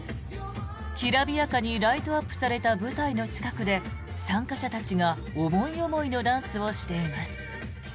きらびやかにライトアップされた舞台の近くで参加者たちが思い思いのダンスをしています。